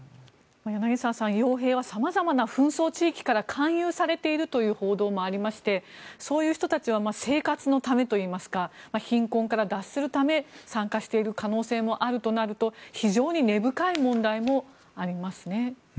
柳澤さん傭兵は様々な紛争地域から勧誘されているという報道もありましてそういう人たちは生活のためというか貧困から脱するため参加している可能性もあるとなると非常に根深い問題もありますね。